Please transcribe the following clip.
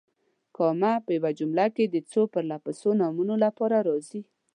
کامه په یوې جملې کې د څو پرله پسې نومونو لپاره راځي.